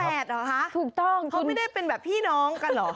เพราะไม่ได้เป็นพี่น้องกันหรอ